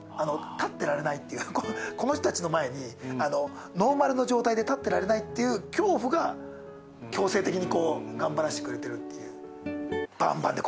立ってられないっていうこの人たちの前にノーマルの状態で立ってられないっていう恐怖が強制的にこう頑張らせてくれてる。